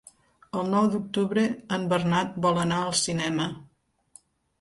El nou d'octubre en Bernat vol anar al cinema.